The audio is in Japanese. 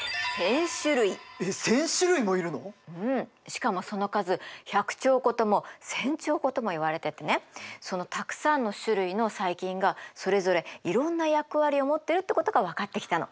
しかもその数１００兆個とも１，０００兆個ともいわれててねそのたくさんの種類の細菌がそれぞれいろんな役割を持ってるってことが分かってきたの。